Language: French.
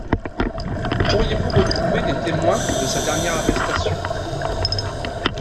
Pourriez-vous retrouver des témoins de sa dernière arrestation?